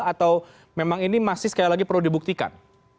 atau memang ini masih sekali lagi perlu dibuktikan